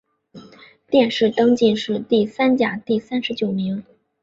殿试登进士第三甲第三十九名。